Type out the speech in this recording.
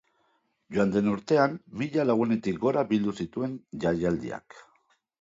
Joan den urtean mila lagunetik gora bildu zituen jaialdiak.